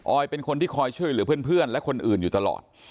เป็นคนที่คอยช่วยเหลือเพื่อนและคนอื่นอยู่ตลอด